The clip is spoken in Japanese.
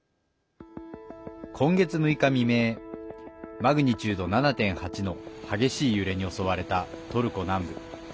今月６日未明マグニチュード７．８の激しい揺れに襲われたトルコ南部。